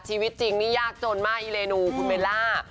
ชีวิตจริงนี่ยากจนมากอีเรนูคุณเบลล่า